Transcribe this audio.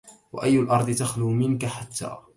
وأي الأرض تخلو منك حتى